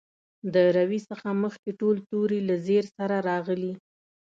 د روي څخه مخکې ټول توري له زېر سره راغلي.